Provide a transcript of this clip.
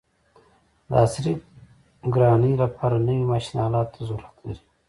د عصري کرانې لپاره نوي ماشین الاتو ته ضرورت لري.